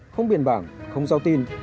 không biển bảng không giao tin